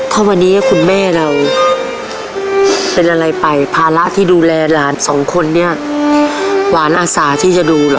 ถ้าวันนี้คุณแม่เราเป็นอะไรไปภาระที่ดูแลหลานสองคนเนี่ยหวานอาสาที่จะดูเหรอ